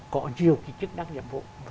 có nhiều cái chức năng nhiệm vụ